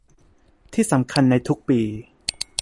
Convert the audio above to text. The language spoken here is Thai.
ที่สำคัญในทุกปี